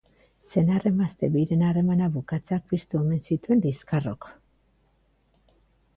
Senar-emazte biren harremana bukatzeak piztu omen zituen liskarrok.